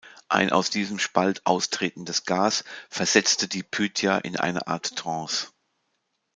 Ein aus diesem Spalt austretendes Gas versetzte die Pythia in eine Art Trance.